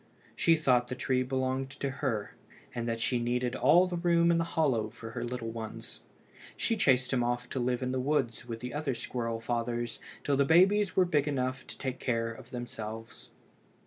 She thought the tree belonged to her, and that she needed all the room in the hollow for her little ones. She chased him off to live in the woods with all the other squirrel fathers till the babies were big enough to take care of themselves.